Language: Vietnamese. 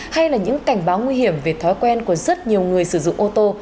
hay là những cảnh báo nguy hiểm về thói quen của rất nhiều người sử dụng ô tô